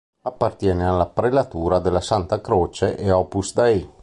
Appartiene alla Prelatura della Santa Croce e Opus Dei.